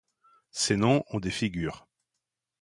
Ces noms ont des figures.